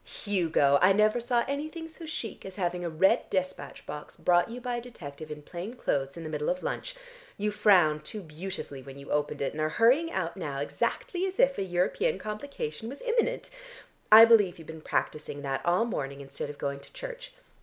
Hugo! I never saw anything so chic as having a red despatch box brought you by a detective in plain clothes, in the middle of lunch. You frowned too beautifully when you opened it, and are hurrying out now exactly as if a European complication was imminent. I believe you've been practising that all morning instead of going to church.